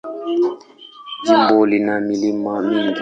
Jimbo lina milima mingi.